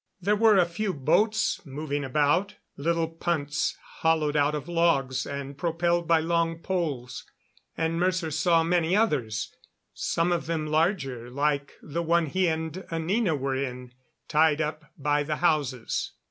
There were a few boats moving about little punts hollowed out of logs and propelled by long poles and Mercer saw many others, some of them larger like the one he and Anina were in, tied up by the houses.